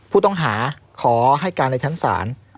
ผู้ต้องหาขอให้การในชั้นศาล